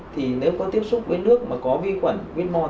thì nếu có tiếp xúc với nước mà có vi khuẩn whitmore